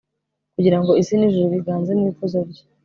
kugira ngo isi n'ijuru biganze mu ikuzo rye